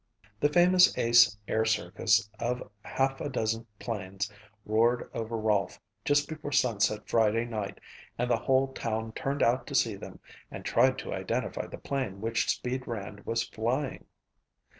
The famous Ace air circus of half a dozen planes roared over Rolfe just before sunset Friday night and the whole town turned out to see them and try to identify the plane which "Speed" Rand was flying.